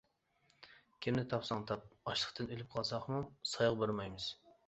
-كىمنى تاپساڭ، تاپ، ئاچلىقتىن ئۆلۈپ قالساقمۇ، سايغا بارمايمىز.